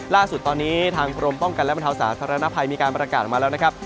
ล่าสุดตอนนี้ทางกรมป้องกันและบรรเทาสาธารณภัยมีการประกาศออกมาแล้วนะครับ